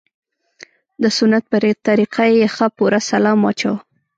د سنت په طريقه يې ښه پوره سلام واچاوه.